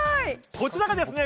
こちらがですね